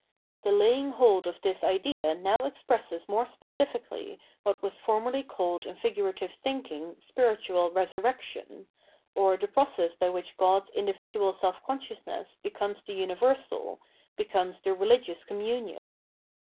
The laying hold of this idea now expresses more specifically what was formerly called m figurative thinking spiritual resurrection, or the process by which God's individual self consciousness * becomes the universal, becomes the religious commu n ion.